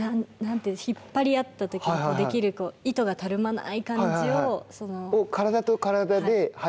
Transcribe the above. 引っ張り合ったときにできる糸がたるまない感じ。